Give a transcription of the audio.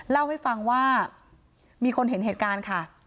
เล่าให้ฟังว่ามีคนเห็นเหตุการณ์ค่ะ